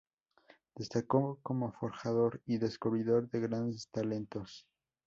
Destacó como forjador y descubridor de grandes talentos.